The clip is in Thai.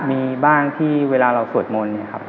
มีบ้างที่เวลาเราสวดมนต์